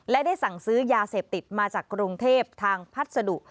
และได้สั่งซื้อยาเสพติดมาจากกรุงเทพทางพัสดุ